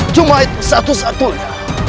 cuma itu satu satunya